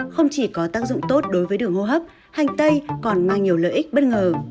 không chỉ có tác dụng tốt đối với đường hô hấp hành tây còn mang nhiều lợi ích bất ngờ